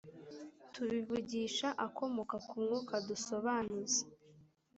tubivugisha akomoka ku mwuka dusobanuza